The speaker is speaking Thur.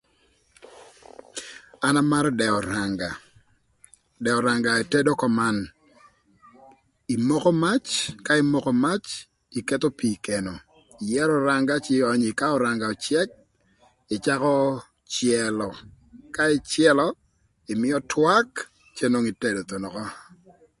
An amarö dëë öranga, dëë öranga etedo köman imoko mac ka imoko mac iketho pii ï keno ïyërö öranga cï ïönyö ï ka öranga öcëk ïcakö cëlö ka ïcëlö ïmïö twak cë nwongo itedo dong ökö.